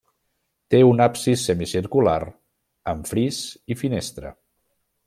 Té un absis semicircular amb fris i finestra.